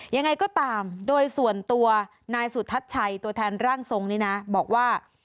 ยังไงก็ตามโดยส่วนตัวนายสุทัศน์ชัยตัวแทนร่างทรงนี้นะบอกว่า